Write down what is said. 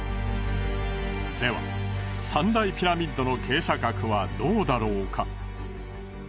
では三大ピラミッドの傾斜角はどうだろうか。